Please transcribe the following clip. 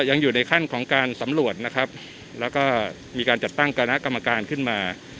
ยังอยู่ในขั้นของการสำรวจนะครับแล้วก็มีการจัดตั้งคณะกรรมการขึ้นมา